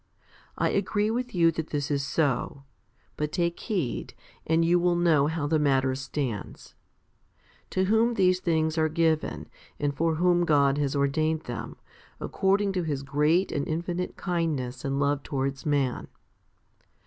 I agree with you that this is so. But take heed, and you will know how the matter stands, to whom these things are given, and for whom God has ordained them, HOMILY XLVIII 303 according to His great and infinite kindness and love towards man.